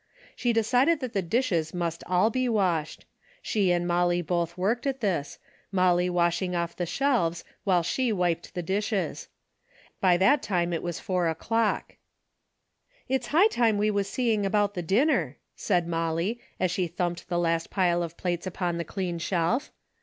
She decided that the dishes must all be washed. She and Molly both worked at this, Molly washing off the shelves while she wiped the dishes. By that time it was four o'clock. "It's high time we was seeing about the dinner," said Molly, as she thumped the last pile of plates upon the clean shelf.